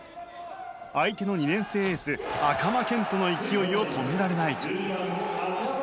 相手の２年生エース赤間賢人の勢いを止められない。